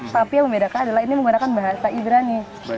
tapi yang membedakan adalah ini menggunakan bahasa ibrani